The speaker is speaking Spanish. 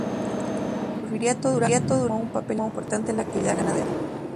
Desde el Porfiriato, Durango tomó un papel importante en la actividad ganadera.